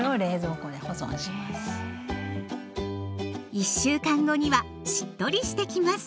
１週間後にはしっとりしてきます。